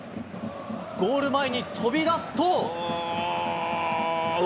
ゴール前に飛び出すと。